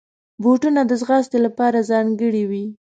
بوټونه د ځغاستې لپاره ځانګړي وي.